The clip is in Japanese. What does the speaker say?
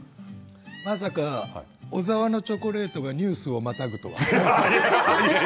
小沢のチョコレートがニュースをまたぐとは。